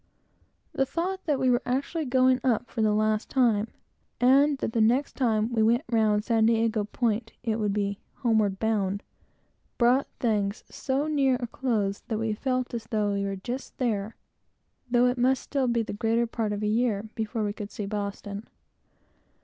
The thought that we were actually going up for the last time, and that the next time we went round San Diego point it would be "homeward bound," brought things so near a close, that we felt as though we were just there, though it must still be the greater part of a year before we could see Boston.